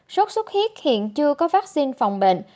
sốt sốt huyết hiện chưa có vaccine phòng bệnh